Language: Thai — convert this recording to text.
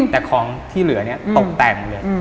แต่ของที่เหลือเนี่ยตกแต่งหมดเลย